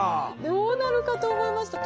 どうなるかと思いました。